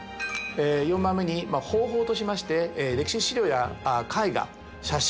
４番目に方法としまして歴史資料や絵画写真